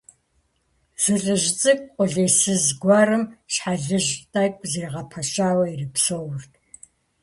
Зы ЛӀыжь цӀыкӀу къулейсыз гуэрым щхьэлыжь тӀэкӀу зэригъэпэщауэ ирипсэурт.